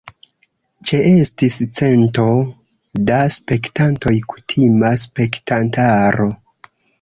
Ĉeestis cento da spektantoj kutima spektantaro.